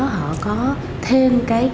họ có thêm